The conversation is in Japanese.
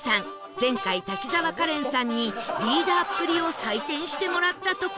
前回滝沢カレンさんにリーダーっぷりを採点してもらったところ